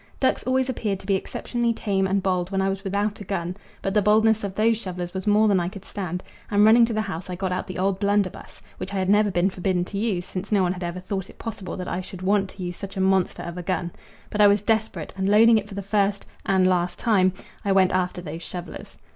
Ducks always appeared to be exceptionally tame and bold when I was without a gun, but the boldness of those shovellers was more than I could stand, and running to the house I got out the old blunderbuss, which I had never been forbidden to use, since no one had ever thought it possible that I should want to use such a monster of a gun. But I was desperate, and loading it for the first (and last) time, I went after those shovellers.